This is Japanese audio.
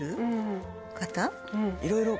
いろいろ。